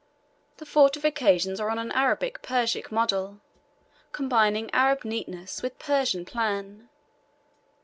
The fortifications are on an Arabic Persic model combining Arab neatness with Persian plan.